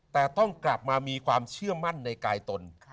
แต่ต้องกลับมามีความเชื่อมั่นในกายตน